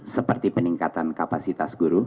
seperti peningkatan kapasitas guru